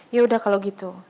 yaudah kalau gitu